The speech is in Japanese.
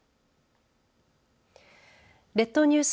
列島ニュース